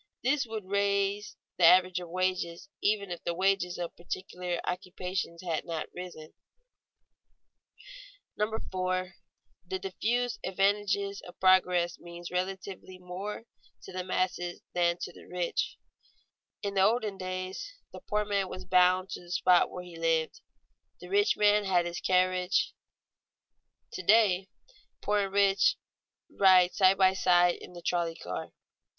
This would raise the average of wages even if the wages of particular occupations had not risen. [Sidenote: The masses gain by general social advance] 4. The diffused advantages of progress mean relatively more to the masses than to the rich. In the olden days the poor man was bound to the spot where he lived, the rich man had his carriage; to day poor and rich ride side by side in the trolley car.